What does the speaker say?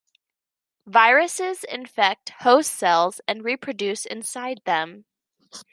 Viruses infect host cells and reproduce inside them.